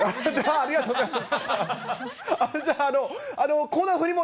ありがとうございます。